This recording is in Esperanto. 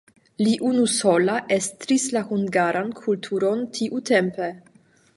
Li unusola estris la hungaran kulturon tiutempe.